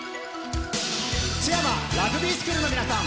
津山、ラグビースクールの皆さん。